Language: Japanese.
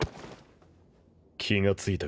・気が付いたか。